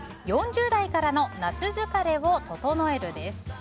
４０代からの夏疲れを整えるです。